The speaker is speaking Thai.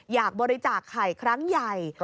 อยากบริจาคไข่ครั้งใหญ่